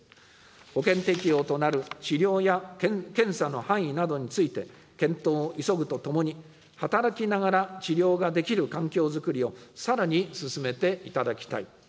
保険適用となる治療や検査の範囲などについて、検討を急ぐとともに、働きながら治療ができる環境づくりをさらに進めていただきたい。